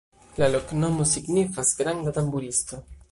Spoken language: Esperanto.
La loknomo signifas: granda-tamburisto.